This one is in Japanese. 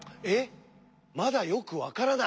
まだよくわからない？